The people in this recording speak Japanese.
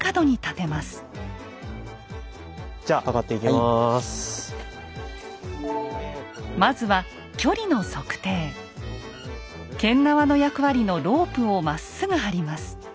まずまずは間縄の役割のロープをまっすぐ張ります。